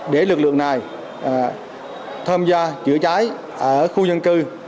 để lực lượng này tham gia chữa cháy ở khu dân cư